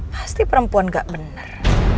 pasti perempuan enggak bener